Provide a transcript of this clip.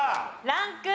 ランク１。